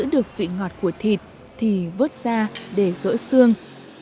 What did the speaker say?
để giữ được vị ngọt của thịt thì vớt ra để gỡ xương